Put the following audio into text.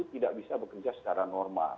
tidak bisa bekerja secara normal